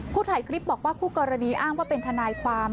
ถ่ายคลิปบอกว่าคู่กรณีอ้างว่าเป็นทนายความ